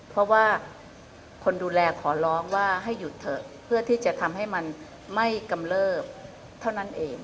เพราะว่าคนดูแลขอร้องว่าให้หยุดเถอะเพื่อที่จะทำให้มันไม่กำเลิบเท่านั้นเอง